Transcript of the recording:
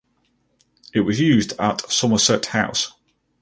It was used at Somerset House.